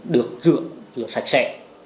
được rửa sạch sẹ